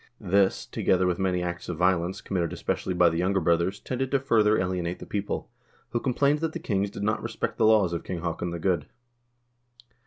This, together with many acts of violence, committed especially by the younger brothers, tended to further alienate the people, who complained that the kings did not respect the laws of King Haakon the Good.